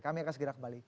kami akan segera kembali